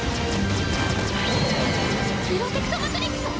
プロテクトマトリックス！